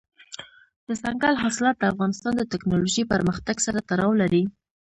دځنګل حاصلات د افغانستان د تکنالوژۍ پرمختګ سره تړاو لري.